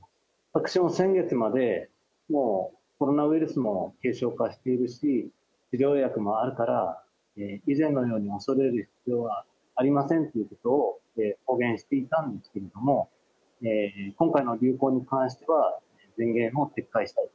私も先月まで、もうコロナウイルスも軽症化しているし、治療薬もあるから、以前のように恐れる必要はありませんということを公言していたんですけれども、今回の流行に関しては、前言を撤回したい。